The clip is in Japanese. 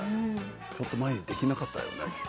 ちょっと前できなかったよね。